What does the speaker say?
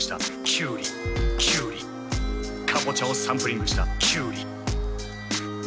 「キュウリキュウリカボチャをサンプリングしたキュウリ」